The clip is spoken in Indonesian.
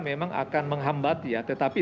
memang akan menghambat ya tetapi